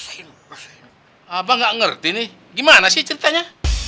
blah abang gak ngerti nih gimana sih ceritanya